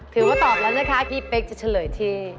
ตอบแล้วนะคะพี่เป๊กจะเฉลยที่